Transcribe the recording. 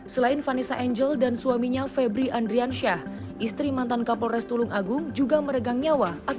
selain vanessa angel dan suaminya febri andriansyah istri mantan kapolres tulung agung juga meregang nyawa